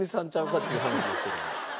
っていう話ですけども。